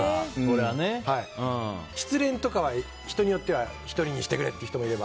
失恋とかは人によっては１人にしてくれという人もいれば。